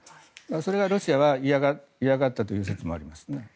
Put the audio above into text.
それをロシアは嫌がったという説もありますね。